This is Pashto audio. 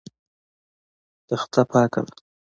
تخته پاکه ده.